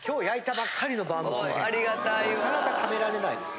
なかなか食べられないですよ。